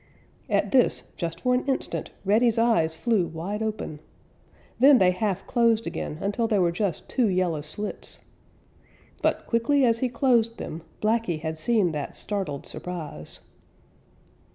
At this, just for an instant, Reddy's eyes flew wide open. Then they half closed again until they were just two yellow slits. But quickly as he closed them, Blacky had seen that startled surprise.